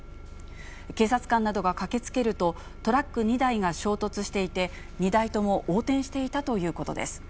警察官などが駆けつけると、トラック２台が衝突していて、２台とも横転していたということです。